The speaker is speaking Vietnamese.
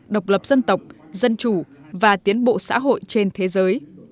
độc lập dân tộc dân chủ và tiến bộ xã hội trên thế giới